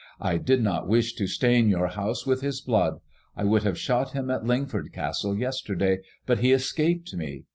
I did not wish to stain your house with his blood. I would have shot him at Ling ford Castle yesterday, but he escaped me.